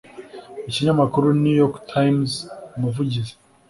Ikinyamakuru New York Times Umuvugizi